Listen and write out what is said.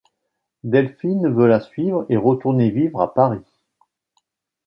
Delphine veut la suivre et retourner vivre à Paris.